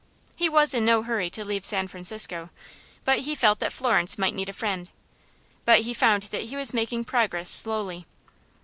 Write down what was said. He was in no hurry to leave San Francisco, but he felt that Florence might need a friend. But he found that he was making progress slowly.